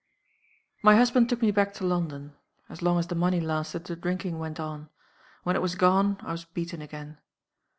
"My husband took me back to London. "As long as the money lasted, the drinking went on. When it was gone, I was beaten again.